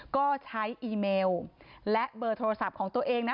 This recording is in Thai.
ก็ใช้อีเมลและเบอร์โทรศัพท์ของตัวเองนะ